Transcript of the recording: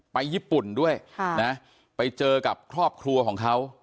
ไปญี่ปุ่นด้วยไปเจอกับครอบครัวของเขา